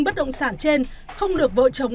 bất động sản trên không được vợ chồng